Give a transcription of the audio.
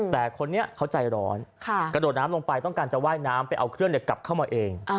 แต่คนนี้เขาใจร้อนกระโดดน้ำลงไปต้องการจะว่ายน้ำไปเอาเครื่องกลับเข้ามาเอง